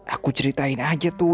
aku ceritain aja tuh